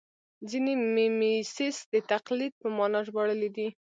ځینې میمیسیس د تقلید په مانا ژباړلی دی